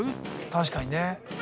確かにね。